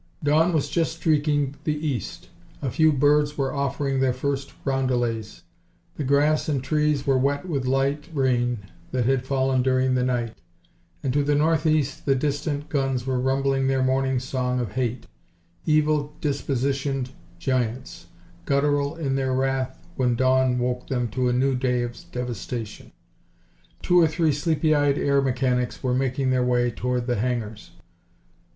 Dawn was just streaking the east. A few birds were offering their first roundelays; the grass and trees were wet with a light rain that had fallen during the night, and to the northeast the distant guns were rumbling their morning song of hate evil dispositioned giants, guttural in their wrath when dawn awoke them to a new day of devastation. Two or three sleepy eyed air mechanics were making their way toward the hangars.